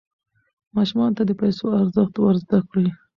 ماشومانو ته د پیسو ارزښت ور زده کړئ.